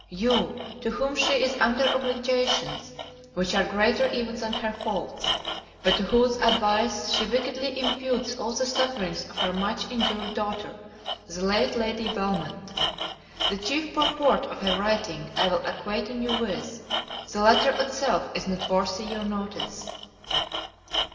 you, to whom she is under obligations which are greater even than her faults, but to whose advice she wickedly imputes all the sufferings of her much injured daughter, the late Lady Belmont. The chief purport of her writing I will acquaint you with; the letter itself is not worthy your notice.